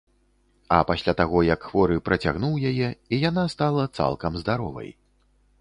А пасля таго, як хворы працягнуў яе, і яна стала цалкам здаровай.